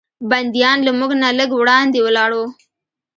بندیان له موږ نه لږ وړاندې ولاړ و.